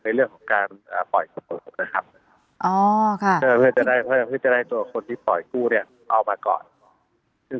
ในเรื่องของการปล่อยกู้นะครับเพื่อจะได้ตัวคนที่ปล่อยกู้เอามาก่อน